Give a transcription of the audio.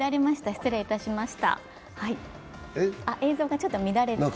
失礼いたしました。